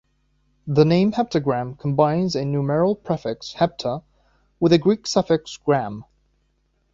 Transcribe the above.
The name "heptagram" combines a numeral prefix, "hepta-", with the Greek suffix "-gram".